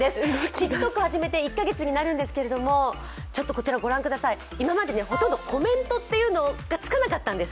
ＴｉｋＴｏｋを始めて１カ月になるんですけれども、こちら御覧ください、今までほとんどコメントっていうのがつかなかったんです。